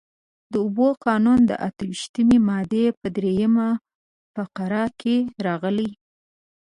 د اوبو قانون د اته ویشتمې مادې په درېیمه فقره کې راغلي.